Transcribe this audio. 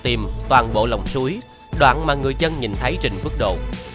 tìm toàn bộ lồng suối đoạn mà người dân nhìn thấy trình bức độ